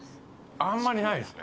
あんまりないですね。